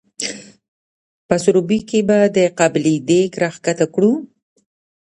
په سروبي کې به د قابلي دیګ را ښکته کړو؟